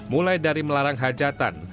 mulai dari melarang hajatan